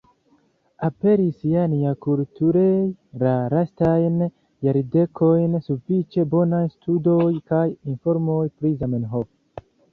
Aperis ja niakultureje la lastajn jardekojn sufiĉe bonaj studoj kaj informoj pri Zamenhof.